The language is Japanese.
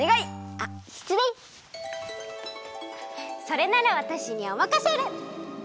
それならわたしにおまかシェル！